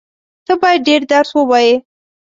ته بايد ډېر درس ووایې.